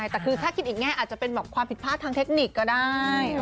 แต่คือถ้าคิดอีกแง่อาจจะเป็นความผิดพลาดทางเทคนิคก็ได้